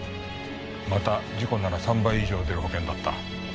また事故なら３倍以上出る保険だった。